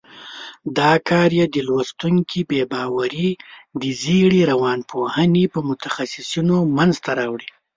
دا کار یې د لوستونکي بې باوري د زېړې روانپوهنې په متخصیصینو منځته راوړي.